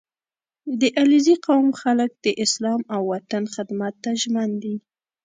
• د علیزي قوم خلک د اسلام او وطن خدمت ته ژمن دي.